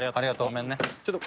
ごめんね。